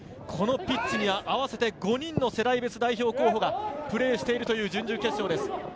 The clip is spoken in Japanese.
このピッチには合わせて５人の世代別代表候補がプレーしているという準々決勝です。